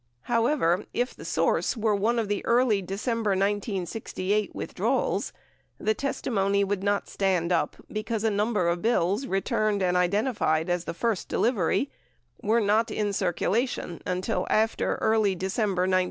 However, if the source were one of the early December 1968 with drawals, the testimony would not stand up because a number of bills returned and identified as the first delivery were not in circulation until after early December 1968.